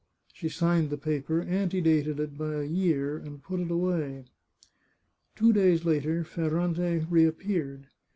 " She signed the paper, antedated it by a year, and put it away. Two days later Ferrante reappeared.